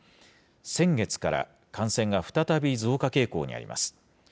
先月から感染が再び増加傾向にあります。